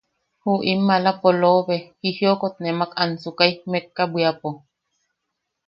Ju in maala polobe, jijiokot nemak ansukai mekka bwiapo. .